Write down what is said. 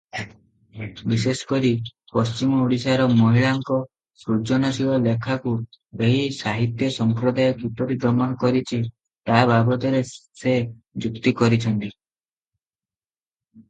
ବିଶେଷ କରି ପଶ୍ଚିମ ଓଡ଼ିଶାର ମହିଳାଙ୍କ ସୃଜନଶୀଳ ଲେଖାକୁ ଏହି ସାହିତ୍ୟ ସମ୍ପ୍ରଦାୟ କିପରି ଦମନ କରିଛି ତା’ ବାବଦରେ ସେ ଯୁକ୍ତି କରିଛନ୍ତି ।